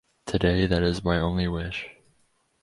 Today that is my only wish.